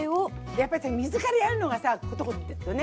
やっぱりさ水からやるのがさコトコトってね。